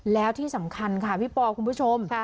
แล้วที่สำคัญค่ะพี่ปอคุณผู้ชม